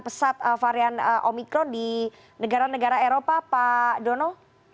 pesat varian omikron di negara negara eropa pak dono